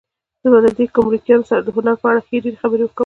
زه به له دې ګمرکیانو سره د هنر په اړه ښې ډېرې خبرې وکړم.